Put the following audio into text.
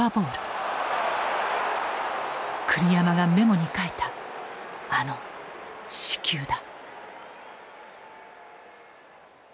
栗山がメモに書いたあの「四球」だ。